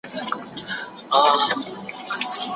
ستا د تور تندي له بخته هر ګل بوټی یې اغزی سو